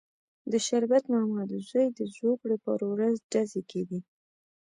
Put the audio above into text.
د شربت ماما د زوی د زوکړې پر ورځ ډزې کېدې.